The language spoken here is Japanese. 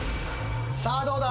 さあどうだ？